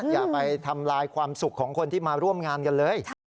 อย่าไปทำลายความสุขของคนที่มาร่วมงานกันเลย